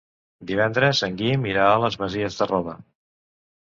Divendres en Guim irà a les Masies de Roda.